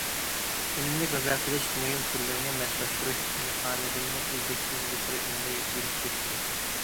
ئۈنۈملۈك مەبلەغ سېلىش مۇھىم تۈرلىرىنى ماسلاشتۇرۇش مېخانىزمىنى ئۈزلۈكسىز يۇقىرى ئۈنۈمدە يۈرۈشتۈرۈش كېرەك.